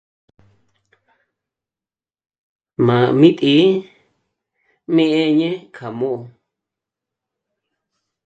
M'á'a mí tǐ'i mě'ñe kja mū̀'ū